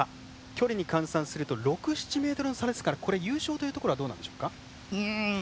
距離に換算すると６７ｍの差ですからこれ、優勝というところはどうなんでしょうか？